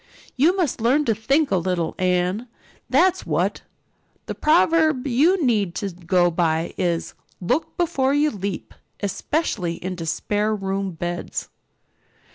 "You must learn to think a little, Anne, that's what. The proverb you need to go by is 'Look before you leap' especially into spare room beds."